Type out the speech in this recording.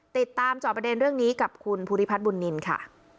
จอบประเด็นเรื่องนี้กับคุณภูริพัฒน์บุญนินค่ะ